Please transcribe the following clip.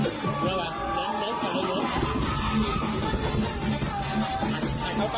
กลับไปค่ะ